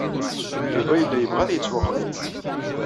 Yuba yella yebɣa ad yettwaqbel.